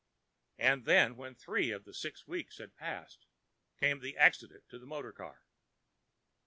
And then, when three of the six weeks had passed, came the accident to the motor car.